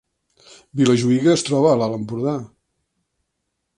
Vilajuïga es troba a l’Alt Empordà